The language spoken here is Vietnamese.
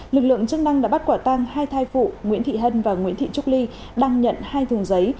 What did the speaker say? lực lượng chức năng đã bắt quả tăng hai thai phụ nguyễn thị hân và nguyễn thị trúc ly đang nhận hai thùng giấy